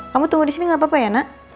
kamu tunggu di sini gak apa apa ya nak